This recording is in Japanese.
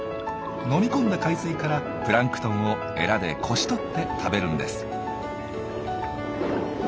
飲み込んだ海水からプランクトンをエラでこしとって食べるんです。